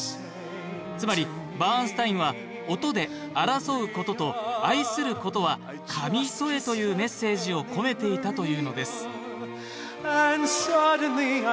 つまりバーンスタインは音で争うことと愛することは紙一重というメッセージを込めていたというのですＡｎｄＳｕｄｄｅｎｌｙＩ